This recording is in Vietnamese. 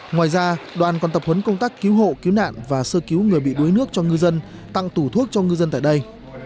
ngoài ra đoàn còn tập huấn công tác cứu hộ cứu nạn và sơ cứu người bị đuối nước cho ngư dân tặng tủ thuốc cho ngư dân tại đây